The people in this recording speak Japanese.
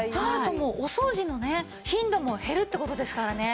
お掃除のね頻度も減るって事ですからね。